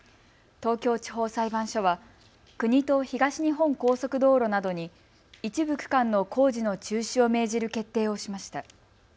東京地方裁判所は国と東日本高速道路などに一部区間の工事の中止を命じる決定をしました。